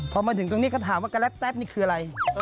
พอมาถึงตรงนี้ก็ถามว่ากระแต๊บนี่คืออะไร